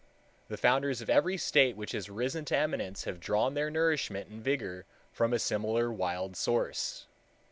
The founders of every state which has risen to eminence have drawn their nourishment and vigor from a similar wild source.